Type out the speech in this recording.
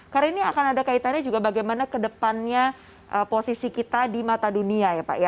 karena ini akan ada kaitannya juga bagaimana kedepannya posisi kita di mata dunia ya pak ya